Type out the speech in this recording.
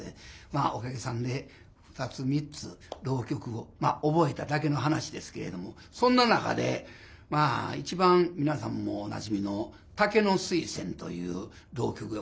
まあおかげさんで２つ３つ浪曲をまあ覚えただけの話ですけれどもそんな中でまあ一番皆さんもおなじみの「竹の水仙」という浪曲がございます。